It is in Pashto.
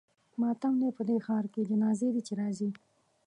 ماتم دی په دې ښار کې جنازې دي چې راځي.